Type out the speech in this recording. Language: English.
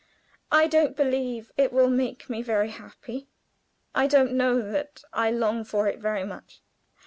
I don't believe it will make me very happy. I don't know that I long for it very much.